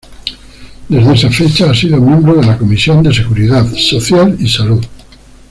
Desde esa fecha, ha sido miembro de la Comisión de Seguridad Social y Salud.